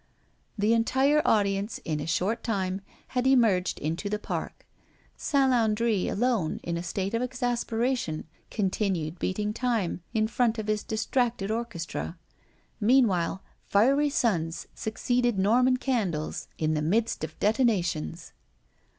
The entire audience, in a short time, had emerged into the park. Saint Landri alone, in a state of exasperation continued beating time in front of his distracted orchestra. Meanwhile, fiery suns succeeded Roman candles in the midst of detonations.